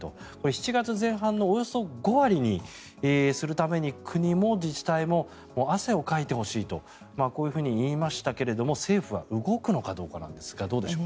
７月前半のおよそ５割にするために国も自治体も汗をかいてほしいとこういうふうに言いましたけども政府は動くのかどうかなんですがどうでしょう。